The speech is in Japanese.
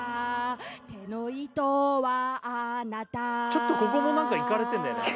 ちょっとここも何かいかれてんだよな